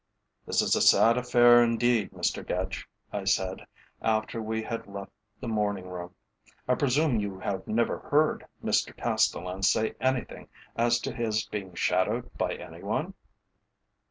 "This is a sad affair indeed, Mr Gedge," I said, after we had left the morning room. "I presume you have never heard Mr Castellan say anything as to his being shadowed by any one?"